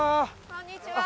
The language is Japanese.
こんにちは。